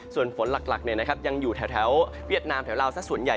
ส่วนฝนหลักยังอยู่แถวเวียดนามแถวลาวสักส่วนใหญ่